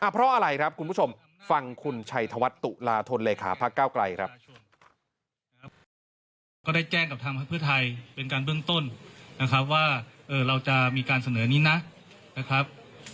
เพราะอะไรครับคุณผู้ชมฟังคุณชัยธวัฒน์ตุลาธนเลขาพักเก้าไกลครับ